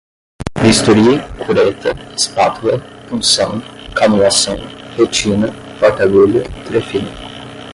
bisturi, cureta, espátula, punção, canulação, retina, porta-agulha, trefina